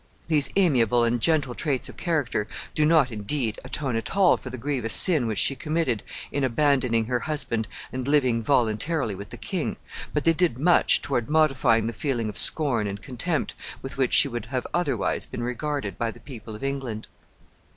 These amiable and gentle traits of character do not, indeed, atone at all for the grievous sin which she committed in abandoning her husband and living voluntarily with the king, but they did much toward modifying the feeling of scorn and contempt with which she would have otherwise been regarded by the people of England.